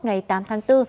ngày tám tháng bốn